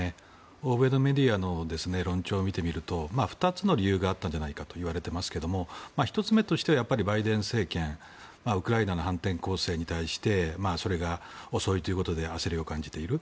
欧米のメディアの論調を見てみると２つの理由があったんじゃないかと言われていますが１つ目としてはバイデン政権ウクライナの反転攻勢に対してそれが遅いということで焦りを感じている。